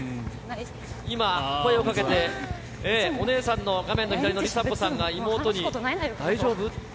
今、声をかけて、お姉さんの、画面の左の梨紗子さんが妹に大丈夫？と。